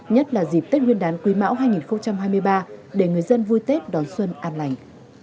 nhất là dịp tết nguyên đán quý mão hai nghìn hai mươi ba để người dân vui tết đón xuân an lành